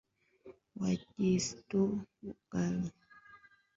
Wakristo walikuwa raia wema Katika karne ya tatu mateso yalikuwa makali